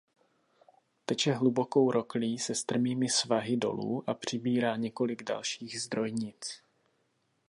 Teče hlubokou roklí se strmými svahy dolů a přibírá několik dalších zdrojnic.